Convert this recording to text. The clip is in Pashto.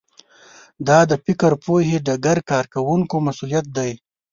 دا د فکر پوهې ډګر کارکوونکو مسوولیت دی